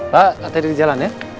pak nanti ada di jalan ya